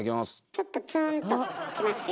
ちょっとツーンときますよ。